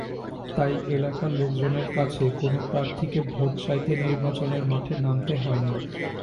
তাই এলাকার লোকজনের কাছে কোনো প্রার্থীকে ভোট চাইতে নির্বাচনের মাঠে নামতে হয়নি।